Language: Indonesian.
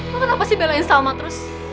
kamu kenapa sih belain salma terus